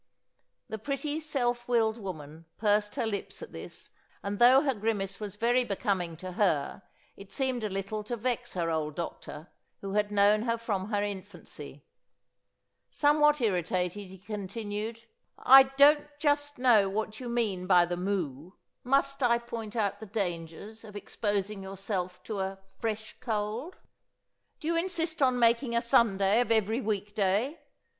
The pretty self willed woman pursed her lips at this and though her grimace was very becoming to her it seemed a little to vex her old doctor who had known her from her infancy. Somewhat irritated, he continued: "I don't just know what you mean by the moue. Must I point out the dangers of exposing yourself to a 'fresh cold'? Do you insist on making a Sunday of every week day?